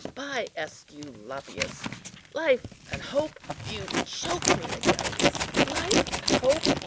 By Esculapius! life and hope! you choke me, Agellius. Life and hope!